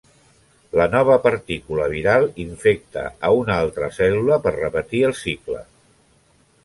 La nova partícula viral infecta a una altra cèl·lula per repetir el cicle.